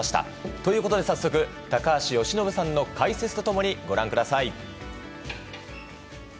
ということで早速高橋由伸さんの解説と共にご覧ください。